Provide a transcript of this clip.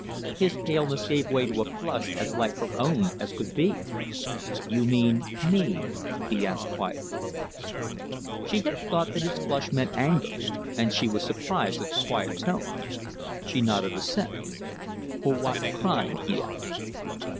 His paleness gave way to a flush as like her own as could be. "You mean me?" he asked quietly. She had thought that his flush meant anger, and she was surprised at the quiet tone. She nodded assent. "For what crime?" he asked.